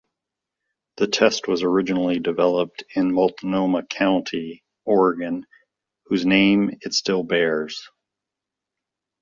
The test was originally developed in Multnomah County, Oregon, whose name it still bears.